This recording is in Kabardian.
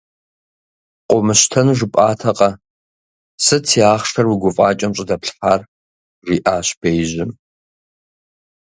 Къыумыщтэну жыпӀатэкъэ, сыт си ахъшэр уи гуфӀакӀэм щӀыдэплъхьар? - жиӀащ беижьым.